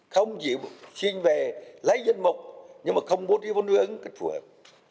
không xin về lấy dân mục nhưng mà không bố trí vốn đối ứng cách phù hợp